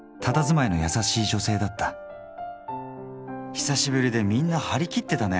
久しぶりでみんな張り切ってたネ。